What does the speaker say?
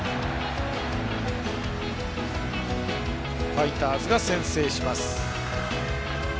ファイターズが先制します。